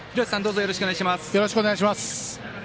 よろしくお願いします。